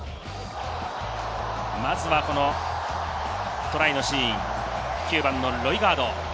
まずは、トライのシーン、９番のロイガード。